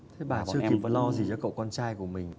thế bà chưa kịp và lo gì cho cậu con trai của mình